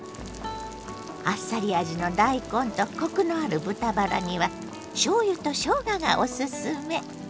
あっさり味の大根とコクのある豚バラにはしょうゆとしょうががおすすめ。